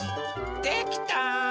できた！